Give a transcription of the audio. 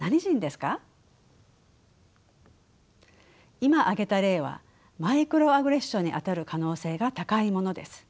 今挙げた例はマイクロアグレッションにあたる可能性が高いものです。